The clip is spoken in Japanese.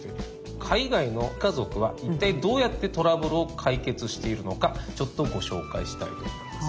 海外の家族は一体どうやってトラブルを解決しているのかちょっとご紹介したいと思います。